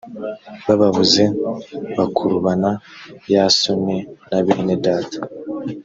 bababuze bakurubana yasoni na bene data